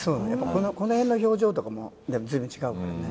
この辺の表情とかも随分違うからね。